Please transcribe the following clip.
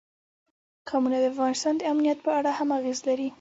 قومونه د افغانستان د امنیت په اړه هم اغېز لري.